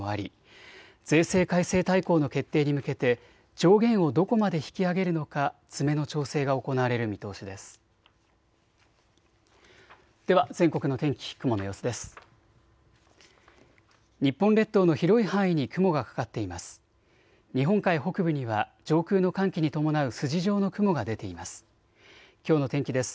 日本列島の広い範囲に雲がかかっています。